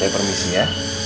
saya permisi ya